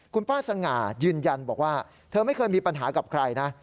คุณป้าสง่ายืนยันบอกว่าเธอไม่เคยมีปัญหากับใครนะ